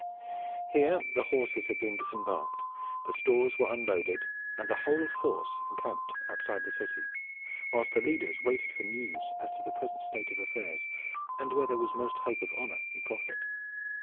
Here the horses had been disembarked, the stores were unloaded, and the whole force encamped outside the city, whilst the leaders waited for news as to the present state of affairs, and where there was most hope of honor and profit.